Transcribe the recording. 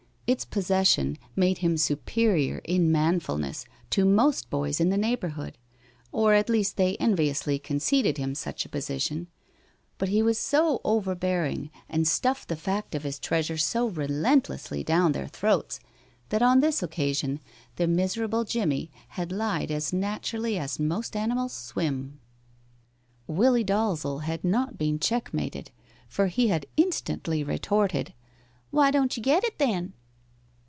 Its possession made him superior in manfulness to most boys in the neighborhood or at least they enviously conceded him such position but he was so overbearing, and stuffed the fact of his treasure so relentlessly down their throats, that on this occasion the miserable Jimmie had lied as naturally as most animals swim. Willie Dalzel had not been checkmated, for he had instantly retorted, "Why don't you get it, then?"